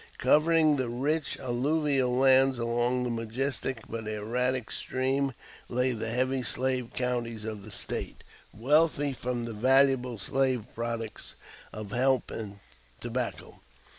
Covering the rich, alluvial lands along the majestic but erratic stream lay the heavy slave counties of the State, wealthy from the valuable slave products of hemp and tobacco.